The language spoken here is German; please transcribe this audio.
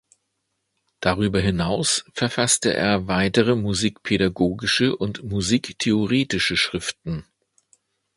Darüber hinaus verfasste er weitere musikpädagogische und musiktheoretische Schriften.